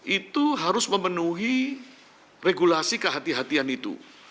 itu harus memenuhi regulasi kehatian kehatian itu